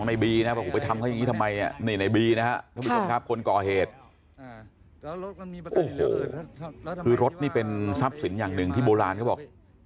นี่ในบีนะครับคนก่อเหตุโอ้โหคือรถนี่เป็นทรัพย์สินอย่างหนึ่งที่โบราณก็บอก